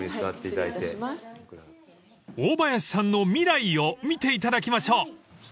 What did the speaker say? ［大林さんの未来を見ていただきましょう］